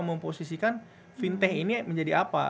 memposisikan fintech ini menjadi apa